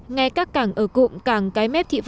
ngay các cảng ở cụm cảng cái mép thị pháp